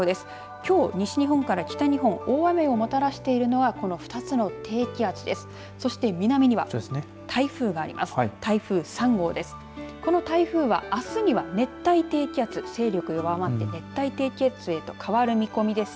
きょう西日本から北日本大雨をもたらしているのはこの２つの低気圧です。